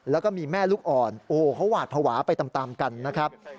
แล้วก็มีแม่ลูกอ่อนโอ้เขาหวาดภาวะไปตามกันนะครับ